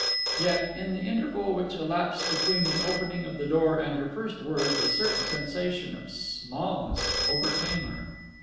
Yet, in the interval which elapsed between the opening of the door and her first words, a certain sensation of smallness overcame her.